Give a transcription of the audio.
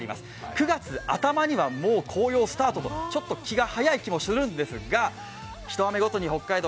９月頭には紅葉スタートと、気が早い気がするんですが一雨ごとに北海道